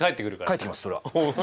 返ってきますそれは。